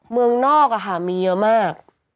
เมืองนอกอะค่ะมีเยอะมาก